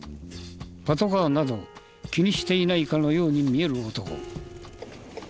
パトカーなど気にしていないかのように見える男。